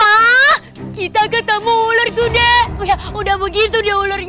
aku akan menganggap